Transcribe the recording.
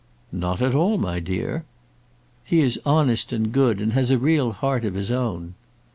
"Not at all, my dear." "He is honest and good, and has a real heart of his own."